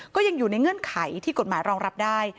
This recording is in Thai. ก็ยังอยู่ในเงื่อนไขที่กฎหมายรองรับได้